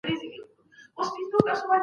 لاندې خبري باید په پام کي ونیول سي.